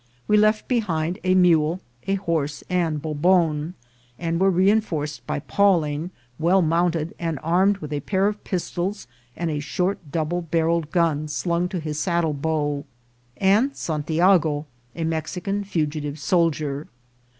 We left behind a mule, a horse, and Bobon, and were re enforced by Pawling, well mounted, and armed with a pair of pistols, and a short double barrell ed gun slung to his saddle bow, and Santiago, a Mex ican fugitive soldier.